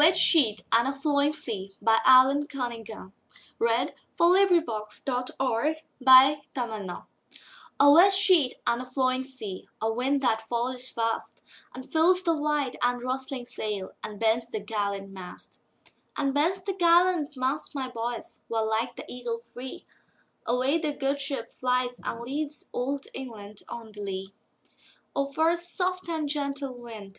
Allan Cunningham CCV. "A wet sheet and a flowing sea" A WET sheet and a flowing sea,A wind that follows fastAnd fills the white and rustling sailAnd bends the gallant mast; And bends the gallant mast, my boys, While like the eagle freeAway the good ship flies, and leavesOld England on the lee."O for a soft and gentle wind!"